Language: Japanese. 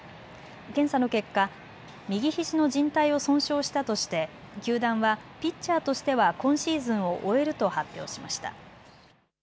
検査の結果、右ひじのじん帯を損傷したとして球団はピッチャーとしては今シーズンを終えると発表しました。